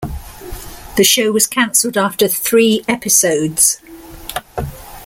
The show was cancelled after three episodes.